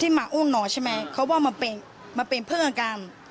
ที่มาอุ้มหน่อยใช่ไหมเขาบอกว่ามันเป็นเพื่อนกัน